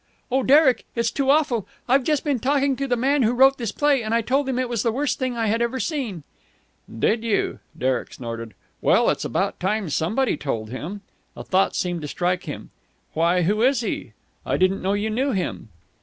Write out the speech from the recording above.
"Oh, Derek, it's too awful. I've just been talking to the man who wrote this play, and I told him it was the worst thing I had ever seen!" "Did you?" Derek snorted. "Well, it's about time somebody told him!" A thought seemed to strike him. "Why, who is he? I didn't know you knew him."